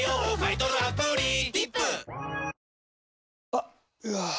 あっ、うわー。